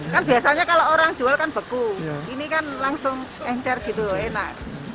kan biasanya kalau orang jual kan beku ini kan langsung encer gitu enak